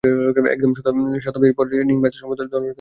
একাদশ শতাব্দীর পর থেকে র্ন্যিং-মা ধর্মসম্প্রদায়ের পুনরায় উদ্ভব ঘটে।